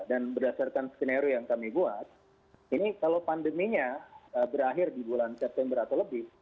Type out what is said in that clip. dan berdasarkan skenario yang kami buat ini kalau pandeminya berakhir di bulan september atau lebih